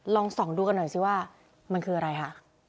ลองส่องดูกันหน่อยสิว่ามันคืออะไรคะ